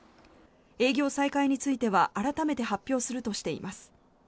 営業再開については改めて発表するとしています。